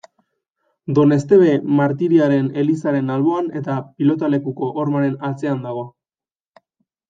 Doneztebe Martiriaren elizaren alboan eta pilotalekuko hormaren atzean dago.